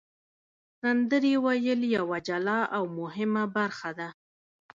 سندرې ویل یوه جلا او مهمه برخه ده.